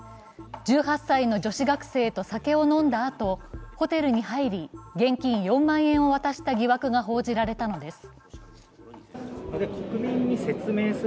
１８歳の女子学生と酒を飲んだあとホテルに入り、現金４万円を渡した疑惑が報じられたのです。